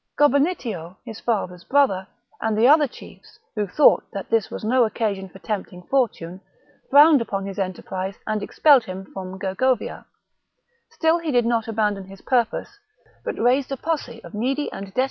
Gobannitio, his father^s brother, and the other chiefs, who thought that this was no occasion for tempting fortune, frowned upon his enterprise and expelled him from Gergovia : still he did not abandon his purpose, but raised a posse of needy and desperate 1 Caesar' s Conquest of Gaul, pp.